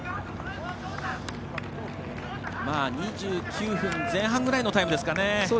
２９分前半ぐらいのタイムですかね。